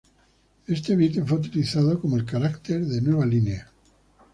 Este byte fue utilizado como el carácter de nueva línea.